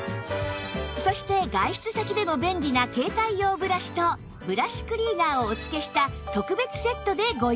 そして外出先でも便利な携帯用ブラシとブラシクリーナーをお付けした特別セットでご用意